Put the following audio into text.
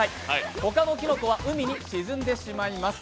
他のキノコは海に沈んでしまいます。